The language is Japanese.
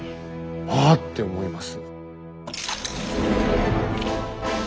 「はあ！」って思います。